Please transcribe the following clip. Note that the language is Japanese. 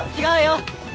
違うよ。